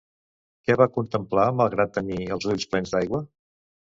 Què va contemplar malgrat tenir els ulls plens d'aigua?